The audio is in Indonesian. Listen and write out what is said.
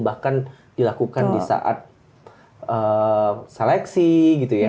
bahkan dilakukan di saat seleksi gitu ya